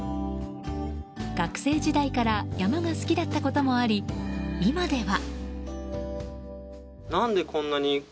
学生時代から山が好きだったこともあり今では。